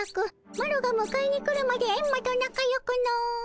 マロがむかえに来るまでエンマとなかよくの。